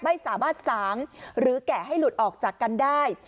ไม่สามารถสางหรือแกะให้หลุดออกจากกันได้